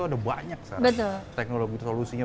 ada banyak teknologi solusinya